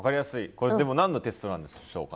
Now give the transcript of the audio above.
これでも何のテストなんでしょうかね。